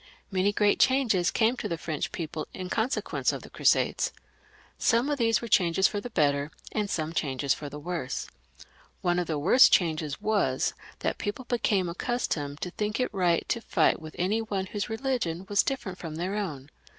Many great changes came to the French people in consequence of the Crusades. Some of these were changes for the better, and some changes for the worse. One of the worst changes was that people became accustomed to think it right to fight with any one whose religion was different from their own.